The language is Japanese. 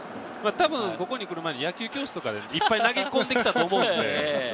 多分ここに来る前に野球教室とかでたくさん投げ込んできたと思うので。